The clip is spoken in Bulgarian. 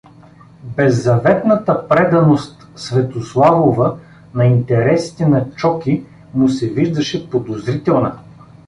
Беззаветната преданост Светославова на интересите на Чоки му се виждаше подозрителна.